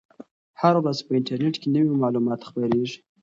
هره ورځ په انټرنیټ کې نوي معلومات خپریږي.